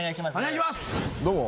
どうも。